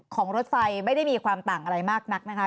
รถไฟไม่ได้มีความต่างอะไรมากนักนะคะ